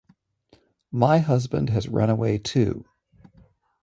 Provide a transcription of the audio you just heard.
My husband has run away too.